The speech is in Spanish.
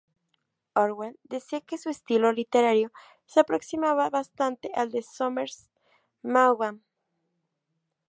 Orwell decía que su estilo literario se aproximaba bastante al de Somerset Maugham.